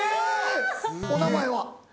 お名前は？